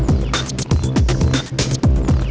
wah keren banget